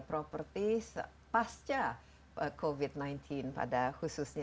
properti pasca covid sembilan belas pada khususnya